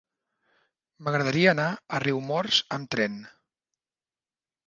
M'agradaria anar a Riumors amb tren.